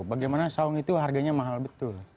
bagaimana saung itu harganya mahal betul